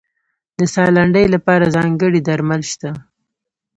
د ساه لنډۍ لپاره ځانګړي درمل شته.